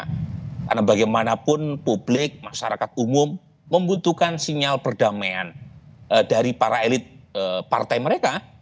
karena bagaimanapun publik masyarakat umum membutuhkan sinyal perdamaian dari para elit partai mereka